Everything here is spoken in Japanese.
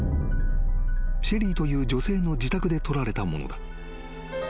［シェリーという女性の自宅で撮られたものだ］